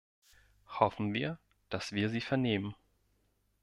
Hoffen wir, dass wir sie vernehmen.